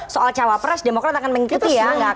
soal cawa pres demokrat akan mengikuti ya